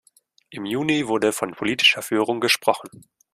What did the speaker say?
Im Juni wurde von politischer Führung gesprochen.